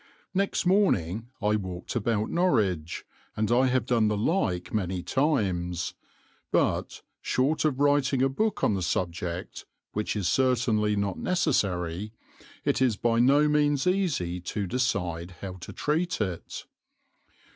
Next morning I walked about Norwich, and I have done the like many times, but, short of writing a book on the subject, which is certainly not necessary, it is by no means easy to decide how to treat it.